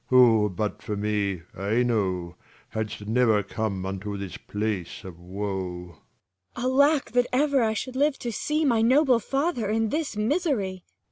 Cor. Alack, that ever I should live to see My noble father in this misery.